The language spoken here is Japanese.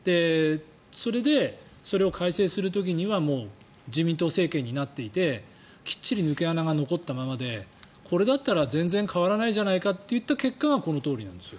それで、それを改正する時には自民党政権になっていてきっちり抜け穴が残ったままでこれだったら全然変わらないじゃないかって言った結果がこのとおりなんですよ。